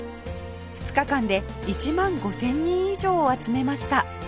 ２日間で１万５０００人以上を集めました